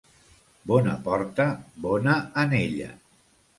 Bona porta, bona anella.